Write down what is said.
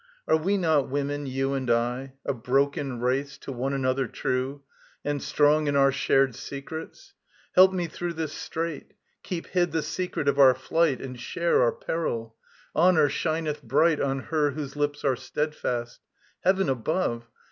Are we not women, you and I, A broken race, to one another true, And strong in our shared secrets? Help me through This strait; keep hid the secret of our flight, And share our peril! Honour shineth bright On her whose lips are steadfast ... Heaven above!